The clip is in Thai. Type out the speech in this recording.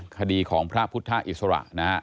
คดีของพระพุทธ่าอิสระ